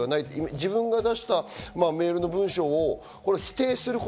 自分が出したメールの文章を否定すること。